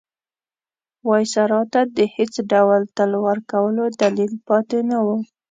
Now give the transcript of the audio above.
وایسرا ته د هېڅ ډول تلوار کولو دلیل پاتې نه وو.